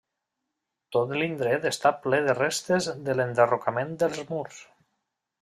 Tot l'indret està ple de restes de l'enderrocament dels murs.